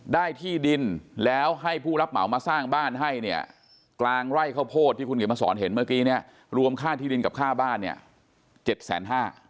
ได้ที่ดินแล้วให้ผู้รับเหมามาสร้างบ้านให้เนี่ยกลางไร่ข้าวโพดที่คุณเขียนมาสอนเห็นเมื่อกี้เนี่ยรวมค่าที่ดินกับค่าบ้านเนี่ยเจ็ดแสนห้า